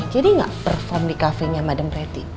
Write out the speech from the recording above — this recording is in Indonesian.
jadi gak perform di cafe nya madam pretty